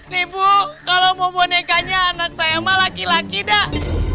nih bu kalau mau bonekanya anak saya mah laki laki dak